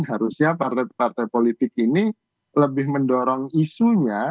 harusnya partai partai politik ini lebih mendorong isunya